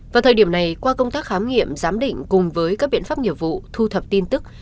vào thời điểm này qua công tác khám nghiệm giám định cùng với các biện pháp nghiệp vụ thu thập tin tức